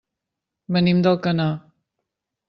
Venim d'Alcanar.